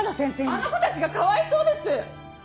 あの子たちがかわいそうです！